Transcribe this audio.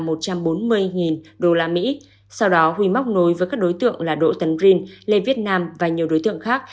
một mươi usd sau đó huy móc nối với các đối tượng là đỗ tấn brin lê việt nam và nhiều đối tượng khác